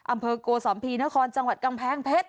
อำเภอโกสัมภีนครจังหวัดกำแพงเพชร